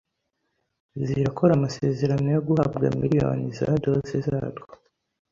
zirakora amasezerano yo guhabwa miliyoni za doze zarwo